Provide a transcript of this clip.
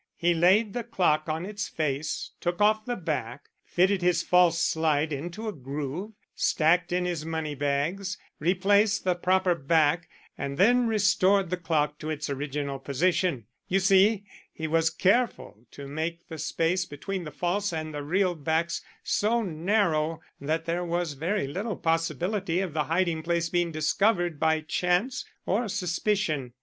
"He laid the clock on its face, took off the back, fitted his false slide into a groove, stacked in his money bags, replaced the proper back, and then restored the clock to its original position. You see, he was careful to make the space between the false and the real backs so narrow that there was very little possibility of the hiding place being discovered by chance or suspicion.